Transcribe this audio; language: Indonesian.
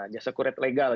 jasa kuret legal